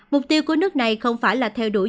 mục tiêu của nước này không phải là theo đuổi